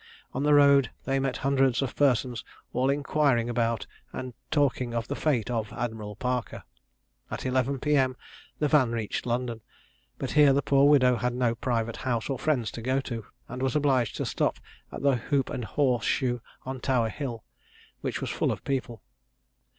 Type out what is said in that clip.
On the road they met hundreds of persons all inquiring about and talking of the fate of "Admiral Parker." At eleven P.M. the van reached London; but here the poor widow had no private house or friends to go to, and was obliged to stop at the Hoop and Horse Shoe on Tower Hill, which was full of people.